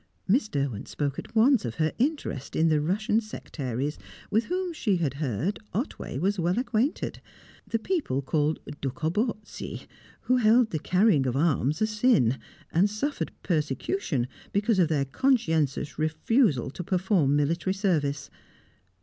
Miss Derwent spoke at once of her interest in the Russian sectaries with whom she had heard Otway was well acquainted, the people called Dukhobortsi, who held the carrying of arms a sin, and suffered persecution because of their conscientious refusal to perform military service.